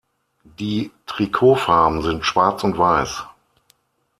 Die Trikotfarben sind schwarz und weiß.